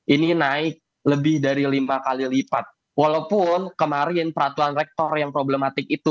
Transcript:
ini naik lebih dari lima kali lipat walaupun kemarin peraturan rektor yang problematik itu